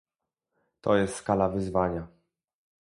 To jest skala wyzwania